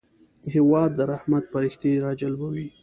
هېواد د رحمت پرښتې راجلبوي.